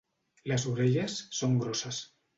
Les orelles són grosses.